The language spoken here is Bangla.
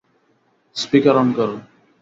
স্পিকার অন করো।